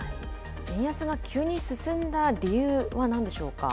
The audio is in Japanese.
円安が急に進んだ理由はなんでしょうか。